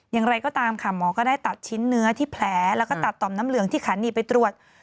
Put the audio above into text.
อย่างไรก็ตามค่ะหมอก็ได้ตัดชิ้นเนื้อที่แผลแล้วก็ตัดต่อมน้ำเหลืองที่ขันหนีไปตรวจ